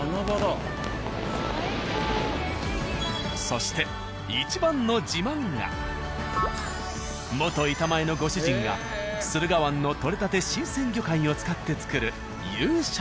そして元板前のご主人が駿河湾のとれたて新鮮魚介を使って作る夕食。